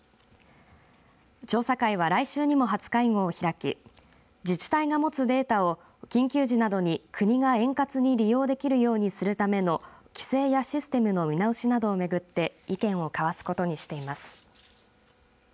調査会は、来週にも初会合を開き自治体が持つデータを緊急時などに国が円滑に利用できるようにするための規制やシステムの見直しなどをめぐって意見を交わすことにしています。